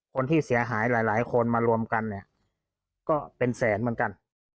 คนที่เสียหายหลายคนมารวมกันเนี่ยก็เป็นแสนเหมือนกัน